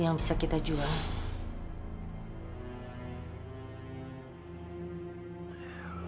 yang bisa kita jual